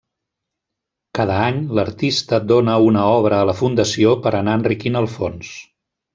Cada any l'artista dóna una obra a la fundació per anar enriquint el fons.